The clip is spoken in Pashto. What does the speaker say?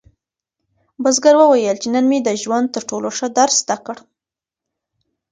بزګر وویل چې نن مې د ژوند تر ټولو ښه درس زده کړ.